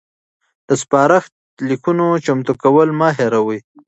د سپارښت لیکونو چمتو کول مه هیروئ.